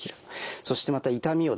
そしてまた痛みをですね